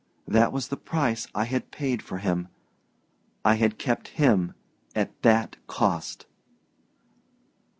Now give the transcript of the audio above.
That was the price I had paid for him I had kept him at that cost!